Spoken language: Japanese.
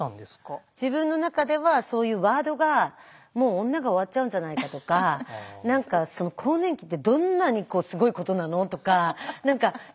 自分の中ではそういうワードがもう女が終わっちゃうんじゃないかとか何か更年期ってどんなにすごいことなのとか何か閉経ってもう嫌だ！